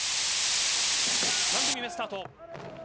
３組目、スタート！